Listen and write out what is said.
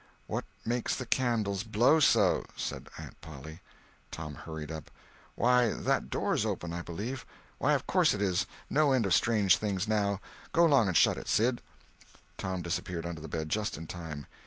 "What makes the candle blow so?" said Aunt Polly. Tom hurried up. "Why, that door's open, I believe. Why, of course it is. No end of strange things now. Go 'long and shut it, Sid." Tom disappeared under the bed just in time.